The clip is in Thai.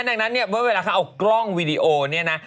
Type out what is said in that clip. นั่นดังนั้นเนี่ยเวลาเขาเอากล้องวิดีโอนี่นะ